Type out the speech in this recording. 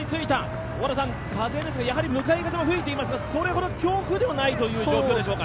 風ですが、向かい風も吹いていますが、それほど強風ではない状況でしょうか。